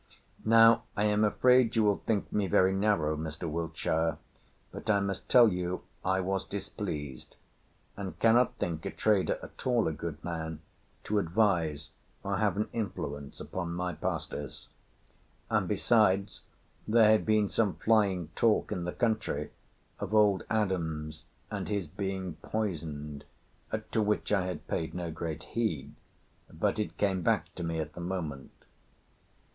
Now, I am afraid you will think me very narrow, Mr. Wiltshire, but I must tell you I was displeased, and cannot think a trader at all a good man to advise or have an influence upon my pastors. And, besides, there had been some flying talk in the country of old Adams and his being poisoned, to which I had paid no great heed; but it came back to me at the moment.